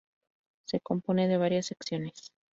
Se compone de varias secciones.